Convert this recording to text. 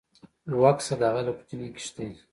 و کس د هغه له کوچنۍ کښتۍ